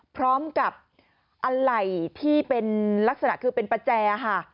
พร้อมกับอะไหล่ที่เป็นลักษณะคือเป็นประแจค่ะ